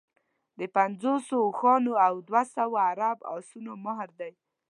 د پنځوسو اوښانو او دوه سوه عرب اسونو مهر دی.